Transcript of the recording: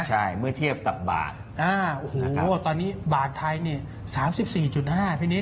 ใช่เมื่อเทียบกับบาทโอ้โหตอนนี้บาทไทยนี่๓๔๕พี่นิด